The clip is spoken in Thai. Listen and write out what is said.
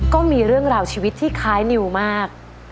ก็มีเรื่องราวชีวิตที่คล้ายนิวมาก